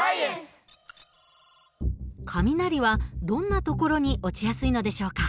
雷はどんな所に落ちやすいのでしょうか？